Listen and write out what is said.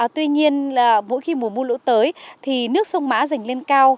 tuy nhiên là mỗi khi mùa mưa lũ tới thì nước sông mã dành lên cao